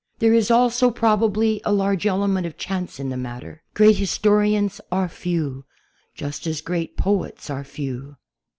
There is also, probably, a large element of chance in the matter. Great historians are few, just as great poets are few.